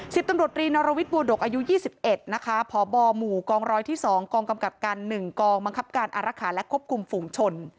สิบตำรวจรีนรวิทย์บัวดกอายุ๒๑นะคะพบหมู่กองร้อยที่๒กองกำกับการ๑กองบังคับการอารักษาและควบคุมฝูงชน